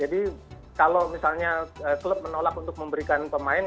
jadi kalau misalnya klub menolak untuk memberikan pemain